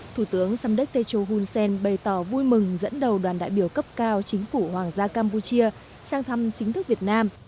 thủ tướng samdek techo hun sen bày tỏ vui mừng dẫn đầu đoàn đại biểu cấp cao chính phủ hoàng gia campuchia sang thăm chính thức việt nam